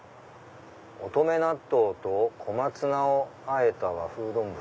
おとめ納豆と小松菜をあえた和風丼。